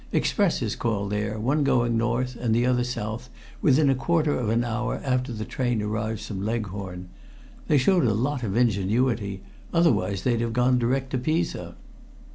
Expresses call there, one going north and the other south, within a quarter of an hour after the train arrives from Leghorn. They showed a lot of ingenuity, otherwise they'd have gone direct to Pisa."